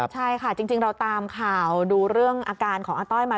ใช่ค่ะจริงเราตามข่าวดูเรื่องอาการของอาต้อยมา